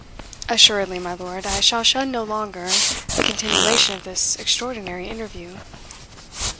"Assuredly, my lord, I shall shun no longer the continuation of this extraordinary interview."